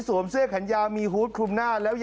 สวมเสื้อขัญญามีหุ้ดคลุมหน้า